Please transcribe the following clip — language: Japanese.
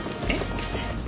えっ？